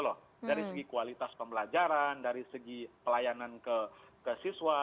loh dari segi kualitas pembelajaran dari segi pelayanan ke siswa